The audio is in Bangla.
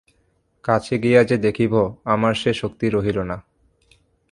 কাছে গিয়া যে দেখিব আমার সে শক্তি রহিল না।